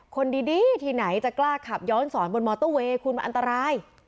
คนดีที่ไหนจะกล้าขับย้อนสอนบนมอเตอร์เวย์คุณมันอันตราย